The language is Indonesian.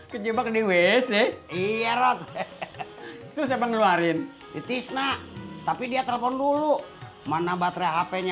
kejebak di wc iya rot terus emang ngeluarin di tisna tapi dia telepon dulu mana baterai hpnya